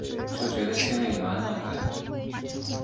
就觉得心里暖暖的